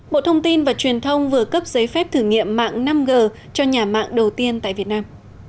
bộ thông tin và truyền thông vừa cấp giấy phép thử nghiệm mạng năm g cho nhà mạng đầu tiên tại việt nam